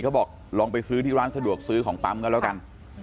เขาบอกลองไปซื้อที่ร้านสะดวกซื้อของปั๊มกันแล้วกัน